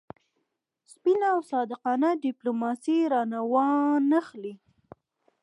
سپینه او صادقانه ډیپلوماسي را وانه خلي.